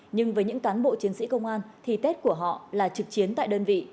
nhưng với những cán bộ chiến sĩ công an thì tết của họ là trực chiến tại đơn vị